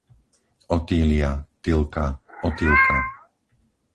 Otília, Tilka, Otilka